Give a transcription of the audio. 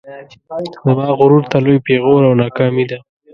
زما غرور ته لوی پیغور او ناکامي ده